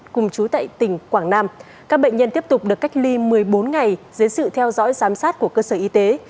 cùng chú tại tỉnh quảng nam các bệnh nhân tiếp tục được cách ly một mươi bốn ngày dưới sự theo dõi giám sát của cơ sở y tế